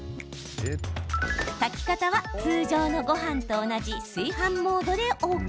炊き方は、通常のごはんと同じ炊飯モードでＯＫ。